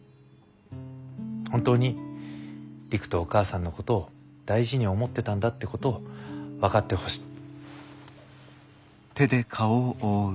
本当に璃久とお母さんのことを大事に思ってたんだってことを分かってほしい。